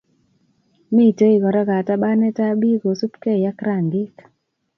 Mitei kora katabanetab bik kosubkei ak rangik